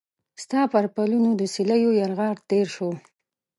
ستا پر پلونو د سیلېو یلغار تیر شو